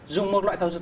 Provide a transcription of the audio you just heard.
dùng một loại thảo dược